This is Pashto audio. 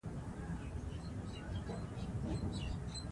افغانستان د بامیان د ترویج لپاره یو شمیر پروګرامونه لري.